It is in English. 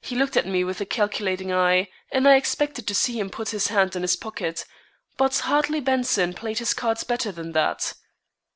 He looked at me with a calculating eye, and I expected to see him put his hand in his pocket; but Hartley Benson played his cards better than that.